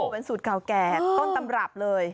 เป็นสูตรเก่าแก่ต้นตำรับเลย